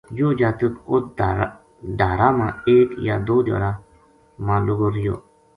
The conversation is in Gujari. یوہ جاتک اُت ڈھارا ما ایک یا دو دھیاڑا ما لُگو رہیو